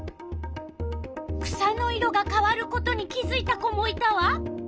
草の色が変わることに気づいた子もいたわ。